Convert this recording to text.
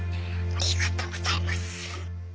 ありがとうございます。